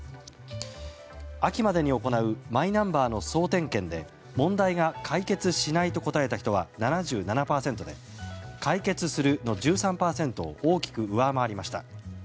秋までに行うマイナンバーの総点検で問題が解決しないと答えた人は７７％で解決するの１３％を大きく上回りました。